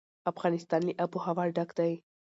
افغانستان له آب وهوا ډک دی.